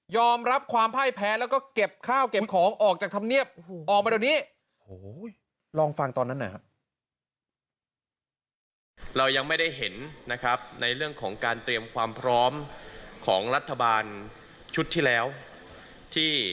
ยอมรับความพ่ายแพ้แล้วก็เก็บข้าวเก็บของออกจากธรรมเนียบออกมาตอนนี้